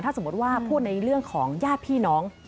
สมมุติว่าพูดในเรื่องของญาติพี่น้อง